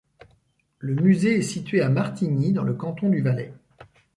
Le musée est situé à Martigny, dans le canton du Valais.